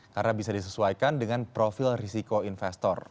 karena bisa disesuaikan dengan profil risiko investor